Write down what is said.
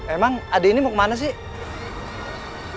emang adik ini mau kemana sih